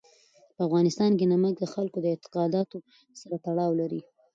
په افغانستان کې نمک د خلکو د اعتقاداتو سره تړاو لري.